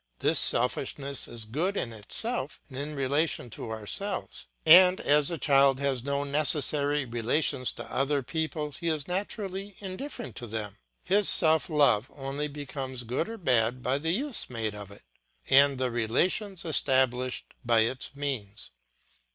This selfishness is good in itself and in relation to ourselves; and as the child has no necessary relations to other people he is naturally indifferent to them; his self love only becomes good or bad by the use made of it and the relations established by its means.